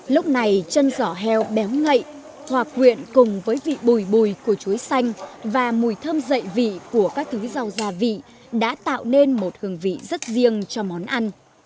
lúc này chân giỏ heo béo ngậy hòa quyện cùng với vị bùi bùi của chuối xanh và mùi thơm dậy vị của các thứ rau gia vị đã tạo nên một hương vị rất riêng cho món ăn